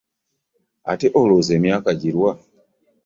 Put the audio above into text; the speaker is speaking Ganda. Ate olowooza emyaka girwa?